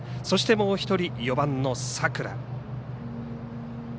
そしてもう１人、４番の佐倉。